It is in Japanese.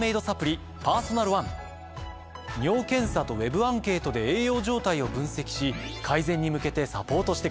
尿検査とＷＥＢアンケートで栄養状態を分析し改善に向けてサポートしてくれるんです。